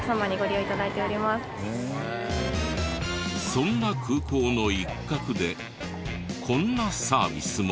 そんな空港の一角でこんなサービスも。